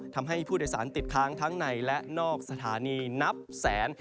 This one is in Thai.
ทำให้ผู้โดยสารติดค้างทั้งในและนอกสถานีนับแสน